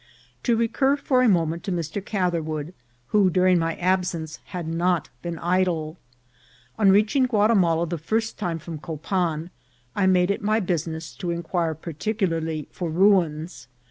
To recur for a moment to Mr. Catherwood, who, during my absence, had not been idle. On reaching Guatimala the first time from Copan, I made it my bu siness to inquire particularly for ruins.